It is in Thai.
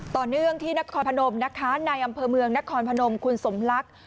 ต่อเนื่องที่นครพนมนะคะในอำเภอเมืองนครพนมคุณสมลักษณ์